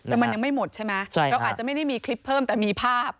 แต่มันยังไม่หมดใช่ไหมเราอาจจะไม่ได้มีคลิปเพิ่มแต่มีภาพ